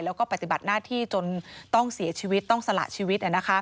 แล้วก็ปฏิบัติหน้าที่จนต้องเสียชีวิตต้องสละชีวิต